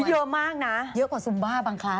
อุ๊ยเยอะมากนะเยอะกว่าซุมบ้าบางคลาส